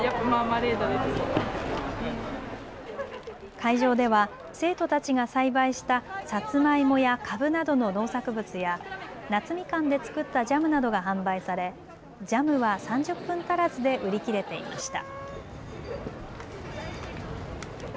会場では生徒たちが栽培したさつまいもやかぶなどの農作物や夏みかんで作ったジャムなどが販売されジャムは３０分足らずで売り切れていました。